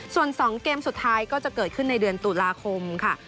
ส่วน๒เกมสุดท้ายก็จะเกิดขึ้นในเดือนตุลาคมค่ะ